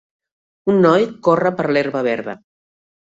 Un noi corre per l'herba verda.